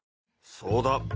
そうだ。